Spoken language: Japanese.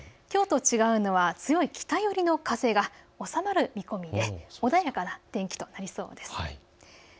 きょうと違うのは強い北寄りの風が収まる見込みで穏やかな天気となりそうです。